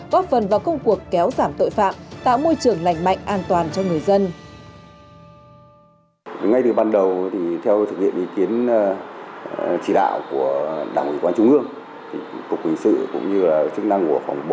góp phần vào công cuộc kéo giảm tội phạm tạo môi trường lành mạnh an toàn cho người dân